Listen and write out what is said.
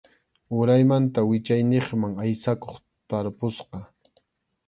Uraymanta wichayniqman aysakuq tarpusqa.